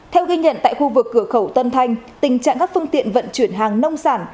theo ghi nhận tại khu vực cửa khẩu tân thanh tình trạng các phương tiện vận chuyển hàng nông sản